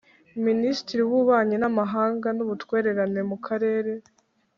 Minisitiri w’ Ububanyi n Amahanga n’ Ubutwererane mu karere